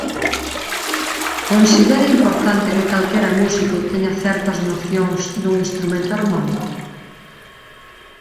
Considera importante que calquera músico teña certas nocións dun instrumento harmónico?